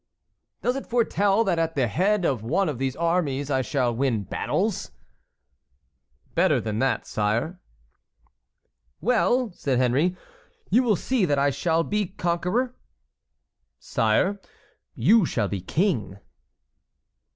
"Does it foretell that at the head of one of these armies I shall win battles?" "Better than that, sire." "Well," said Henry; "you will see that I shall be conqueror!" "Sire, you shall be king."